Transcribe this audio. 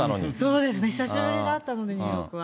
そうですね、久しぶりだったので、ニューヨークは。